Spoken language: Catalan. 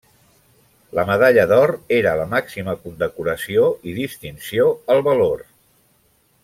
La medalla d'or era la màxima condecoració i distinció al valor.